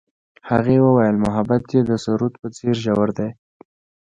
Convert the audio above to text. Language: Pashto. هغې وویل محبت یې د سرود په څېر ژور دی.